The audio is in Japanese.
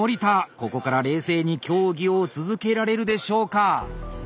ここから冷静に競技を続けられるでしょうか？